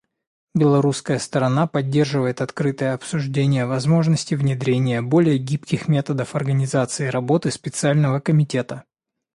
Белорусская сторона поддерживает открытое обсуждение возможности внедрения более гибких методов организации работы Специального комитета.